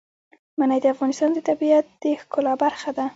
منی د افغانستان د طبیعت د ښکلا برخه ده.